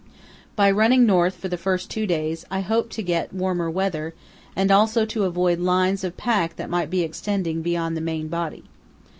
By running north for the first two days I hoped to get warmer weather and also to avoid lines of pack that might be extending beyond the main body.